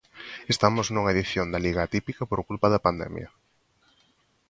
Estamos nunha edición da Liga atípica por culpa da pandemia.